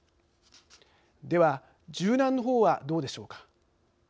では、柔軟の方はどうでしょうか。